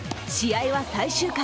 試合は、最終回。